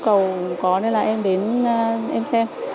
cũng có nên là em đến em xem